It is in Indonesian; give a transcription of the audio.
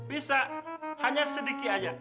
bisa hanya sedikit aja